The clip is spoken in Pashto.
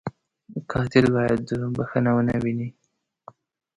قاتل باید بښنه و نهويني